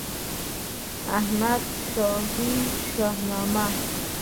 احمدشاهي شهنامه